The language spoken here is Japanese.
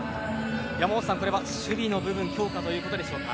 山本さん、これは守備の部分を強化ということでしょうか？